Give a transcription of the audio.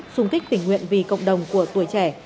xung kích tình nguyện vì cộng đồng của tuổi trẻ